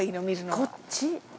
◆こっち。